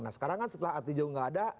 nah sekarang kan setelah arti jauh nggak ada